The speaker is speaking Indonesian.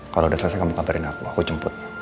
kalau udah selesai kamu kabarin aku aku jemput